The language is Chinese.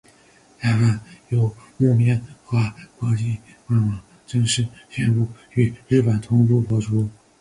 台湾由木棉花国际官网正式宣布与日本同步播出。